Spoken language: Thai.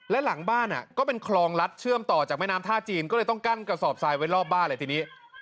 และหลังบ้านก็เป็นคลองลัดเชื่อมต่อจากแม่น้ำท่าจีนก็เลยต้องกั้นกระสอบทรายไว้รอบบ้านเลยทีนี้